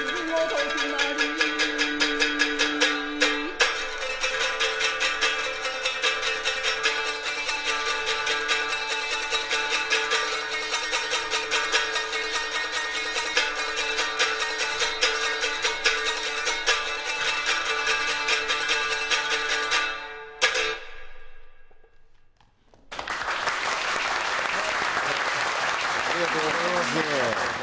ありがとうございます。